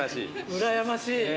うらやましい。